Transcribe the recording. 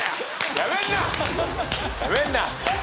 やめんな！